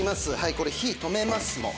これ火止めますもう」